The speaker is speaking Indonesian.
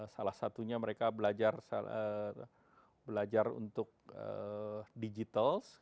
salah satunya mereka belajar untuk digital